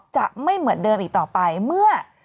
จะไม่เหมือนเดิมอีกต่อไปเมื่อ